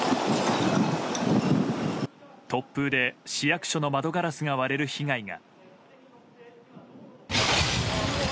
突風で市役所の窓ガラスが割れる被害が。